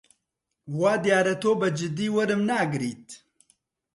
وا دیارە تۆ بە جددی وەرم ناگریت.